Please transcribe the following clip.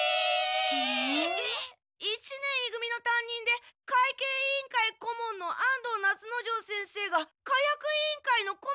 一年い組の担任で会計委員会顧問の安藤夏之丞先生が火薬委員会の顧問になったって？